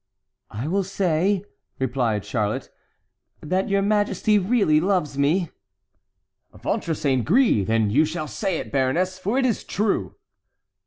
"I will say," replied Charlotte, "that your majesty really loves me." "Ventre saint gris! then you shall say it, baroness, for it is true."